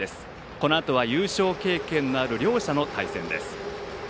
このあとは優勝経験のある両者の対戦です。